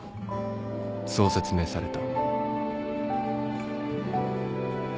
そう説明された